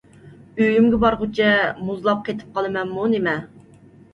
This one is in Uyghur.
ئۆيۈمگە بارغۇچە مۇزلاپ قېتىپ قالىمەنمۇ نېمە؟